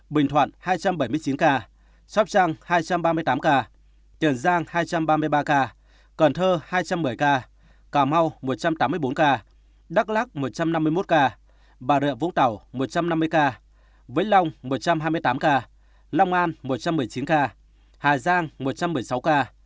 bình thoạn hai trăm bảy mươi chín ca sop trang hai trăm ba mươi tám ca tiền giang hai trăm ba mươi ba ca cần thơ hai trăm một mươi ca cà mau một trăm tám mươi bốn ca đắk lắc một trăm năm mươi một ca bà rợ vũng tàu một trăm năm mươi ca vĩnh long một trăm hai mươi tám ca long an một trăm một mươi chín ca hà giang một trăm một mươi sáu ca bình phước một trăm một mươi bốn ca trà vinh bảy mươi năm ca hà nội bảy mươi hai ca bắc giang bảy mươi ca